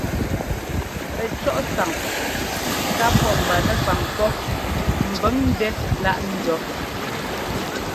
Pɛcɔ́ꞌsáŋ ká pɔ́ mba nɛfaŋ pɔ́ mbʉŋ ndɛ́ láꞌ ńdɔ́.